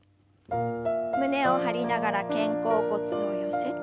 胸を張りながら肩甲骨を寄せて。